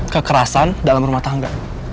kekerasan dalam rumah tangga